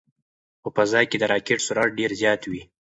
په فضا کې د راکټ سرعت ډېر زیات وي.